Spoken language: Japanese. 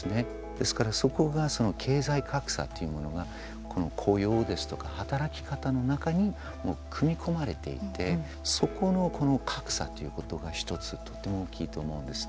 ですから、そこが経済格差というものがこの雇用ですとか働き方の中に組み込まれていてそこの格差ということが１つとても大きいと思うんですね。